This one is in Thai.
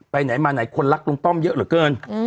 ไปไหนมาไหนคนรักลุงป้อมเยอะเหลือเกิน